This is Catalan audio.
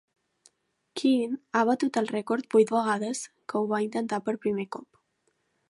Keene ha batut el rècord vuit vegades que ho va intentar per primer cop.